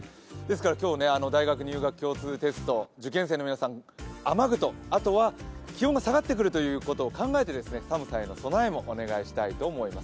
今日、大学入学共通テスト、受験生の皆さん、雨具とあとは気温が下がってくるということを考えて寒さへの備えをお願いしたいと思います。